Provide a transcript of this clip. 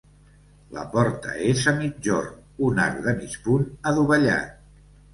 La porta és a migjorn, un arc de mig punt adovellat.